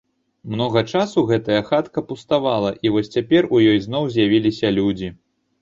Многа часу гэтая хатка пуставала, і вось цяпер у ёй зноў з'явіліся людзі.